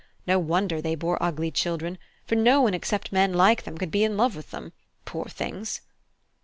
No wonder they bore ugly children, for no one except men like them could be in love with them poor things!"